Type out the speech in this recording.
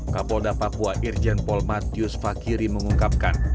kapolda papua irjen pol matius fakiri mengungkapkan